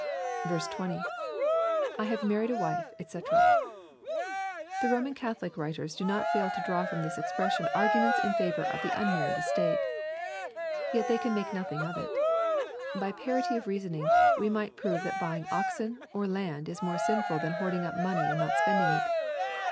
20. —[/ have married a wife, dsci\ The Roman Catholic writers do not fail to draw from this expression arguments in favor of the unmarried estate. Yet they can make nothing of it. By parity of reasoning, we might prove that buying oxen, or land, is more sinful than hoarding up money and not spending it.